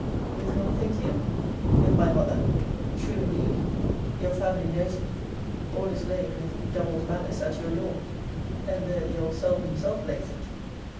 With whom, think you? with my mother. True indeed. Your family knows it. All is laid with redoubled malice at your door. And there the old soul himself lays it.